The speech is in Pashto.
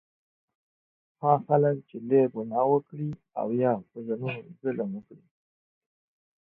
هغه خلک چې لویه ګناه وکړي او یا په ځانونو ظلم وکړي